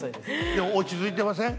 でも落ち着いてません？